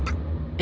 え？